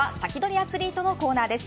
アツリートのコーナーです。